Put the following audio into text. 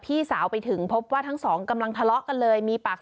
พี่สาวไปถึงพบว่าทั้งสองกำลังทะเลาะกันเลยมีปากเสียง